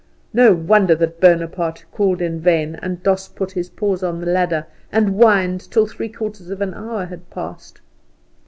No wonder that Bonaparte called in vain, and Doss put his paws on the ladder, and whined till three quarters of an hour had passed.